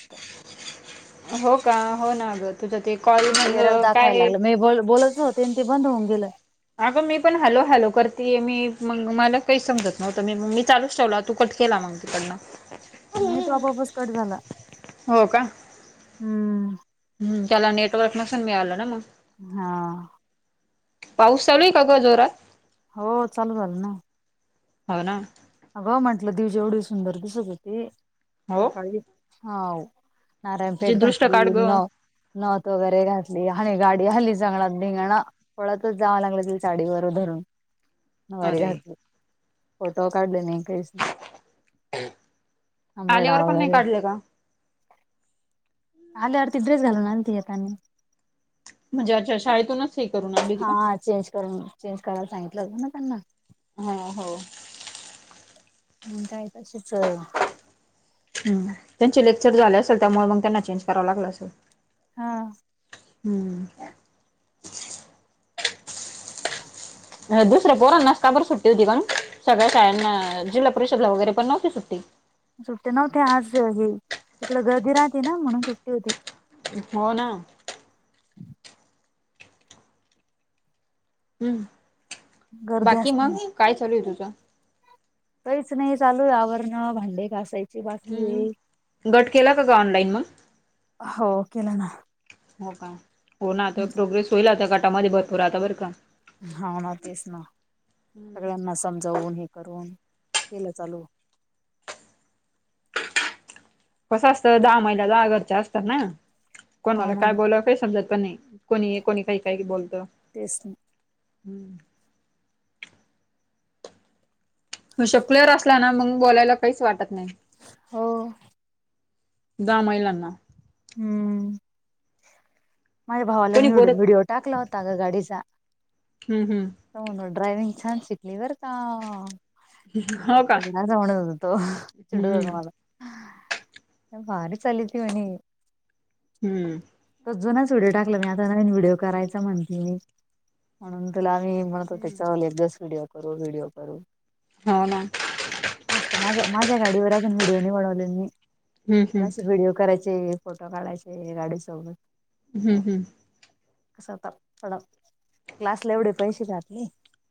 त. [unintelligible] हो का, होना आगं. तुझ ते कॉल ते एरर मग दाखवाय काय लागलं, मी बोलत होते आणि ते बंद होऊन गेलं. अगं मी पण हॅलो हॅलो करतेय, मी म मला काही समजत नव्हतं, मी मी चालूच ठेवला तू कट केला मग. तिकडनं. [unintelligible] नाही तो आपोआपच कट झाला, हो का हम्म. हम्म, त्याला नेटवर्क नसन मिळालं ना मग. हा. पाऊस चालूय आहे का ग जोरात? हो, चालू झालं ना. हो ना. अगं म्हंटलं, दिजीव जेवढी सुंदर दिसत होती हो सकाळी, हाव. तिचे नारायणपेठ दृष्ट काढ घातली, ग न नथ वगैरे घातली आणि गाडी हली, चांगला धिंगाणा. पळतच जाव लागलं ते साडी वर धरून. नऊवारी अरे घातली, फोटो काढले नाही आणि काहीच नाही. आंबाडा आल्यावर पण नाही वगैरे काढले का? आल्यावर ती ड्रेस घालून आलती येतानी. म्हणजे अच्छा शाळेतूनच हे करून आली ती का? हा चेंज करून, चेंज करायला सांगितलं होत ना त्यांना. हो हो. मग काय तशीच हम, त्यांचे लेक्चर झाले असेल त्यामुळे मग त्यांना चेंज करावं लागलं असेल. हां. हम्म. दुसर्या पोरांना स का बर सुट्टी होती, सगळ्या शाळांना जिल्हा परिषदला वगैरे पण नव्हती सुट्टी. सुट्टी नव्हती आज, हे इकड गर्दी राहते ना म्हणून सुट्टी होती. हो ना. [unintelligible] हम्म, गर्दी बाकी असते मग म्हणून काय चालू आहे तुझं? काहीच नाही चालूय आवरणं भांडे का घासाय ची बाकी हम्म. आहे गट केला का ग ऑनलाईन मग? हो केलं ना. हो का हो ना आता प्रोग्रेस होईल आता गटामध्ये भरपूर आता बरं का. हाव ना तेच ना सगळ्यांना समजावून हे करून केलं चालू. कसं असतं दहा महिला दहा घरच्या असतात ना हा कोणावला ना. काय बोलवं. ते समजत पण नाही कोणी हे कोणी काही काही बोलतं. तेच म हम्म. शकलेवर असला ना मग बोलायला काहीच वाटत नाय. हो दहा महिलांना हम्म. माझ्या भावाला कोणी मी विडी बोलत व्हिडिओ टाकला होता गं गाडीचा. हम्म हम्म. [unintelligible] ड्रायविंग छान शिकली बरं का. [unintelligible] हो का? होत तो चिडू जातो हम्म माझा. भारी चालली ती मणी. हम्म. तर जुनच व्हिडिओ टाकला मी आता नवीन व्हिडिओ करायचा म्हणते मी म्हणून तुला आम्ही म्हणत होते हम्म चल एक दिवस व्हिडिओ करू व्हिडिओ करू. हाव ना. मस्त माझ्या माझ्या गाडीवर अजून व्हिडिओ नी बनवलं मी हम्म मला हम्म अशी व्हिडिओ कराय चे फोटो काढयचे गाडी सोबत. हम्म हम्म. स्वतः थडा क्लासला एवढे पैशे घातले.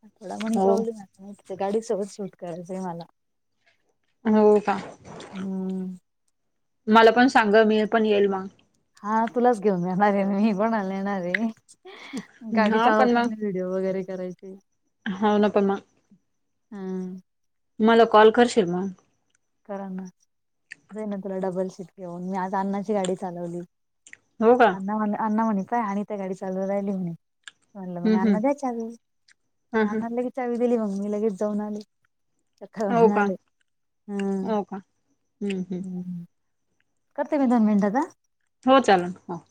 थोडा म्हणी हो प्रॉब्लेम आहे ते गाडी सोबत शूट करायचंय मला. हो का हम्म. मला पण सांग मी पण येईल मग. हा तुलाच घेऊन जाणार आहे मी पण मला येणार आहे मग गाडी हा चालवताना वी डिओ वगैरे करायचे. हाव ना पण मा. हां. मला कॉल करशील म? कराना जाई ना तुला डबल शीट घेऊन मी आज अन्नाची गाडी चालवली. हो का अण्णा म्हणे अण्णा म्हणे पय आणि त्या गाडी चालू राहिली म्हणे. म्हणला हम्म मग हम्म अण्णा द्या चाबी हम्म म हम्म अण्णा लगे चावी दिली मग मी लगेच जाऊन हो [unintelligible] का आले. हम्म हो का हम्म हम्म. करते मी दोन मिनिटात हां. हो चालेल हो.